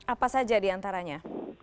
apa saja diantaranya